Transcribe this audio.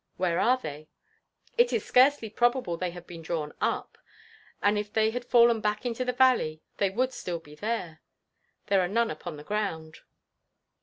Where are they? It is scarcely probable they had been drawn up; and had they fallen back into the valley, they would still be there. There are none upon the ground.